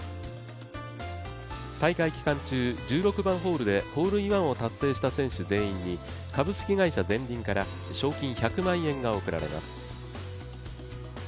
大会期間中、１６番ホールでホールインワンを達成した選手全員に株式会社ゼンリンから賞金１００万円が贈られます。